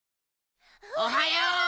おはよう！